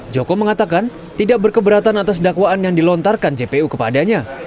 joko mengatakan tidak berkeberatan atas dakwaan yang dilontarkan jpu kepadanya